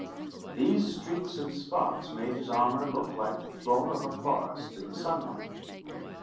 These streaks and spots made his armour look like the floor of a forest in the sunlight.